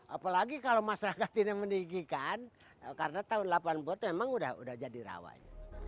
apalagi kalau masyarakat ini meninggikan karena tahun delapan puluh itu memang udah jadi rawat